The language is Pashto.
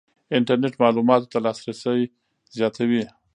انټرنېټ معلوماتو ته لاسرسی زیاتوي.